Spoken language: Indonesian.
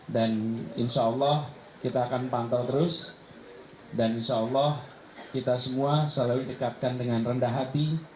dan insyaallah kita akan pantau terus dan insyaallah kita semua selalu didekatkan dengan rendah hati